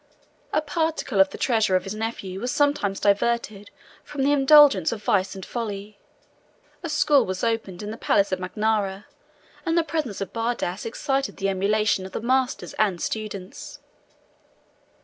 A particle of the treasures of his nephew was sometimes diverted from the indulgence of vice and folly; a school was opened in the palace of Magnaura; and the presence of Bardas excited the emulation of the masters and students.